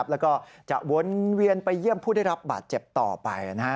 แล้วก็จะวนเวียนไปเยี่ยมผู้ได้รับบาดเจ็บต่อไป